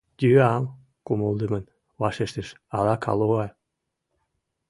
— Йӱам, — кумылдымын вашештыш аракалогар.